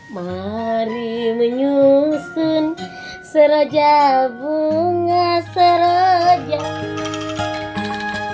mari menyusun sroja bunga sroja